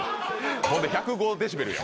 ほんで１０５デシベルや。